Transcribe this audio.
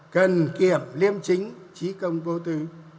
cần kiểm liêm chính trí công vô tư